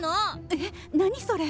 えっ何それ。